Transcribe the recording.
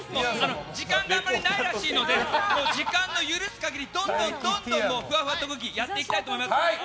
時間があんまりないらしいので時間の許す限りどんどん、ふわふわ特技をやっていきたいと思います。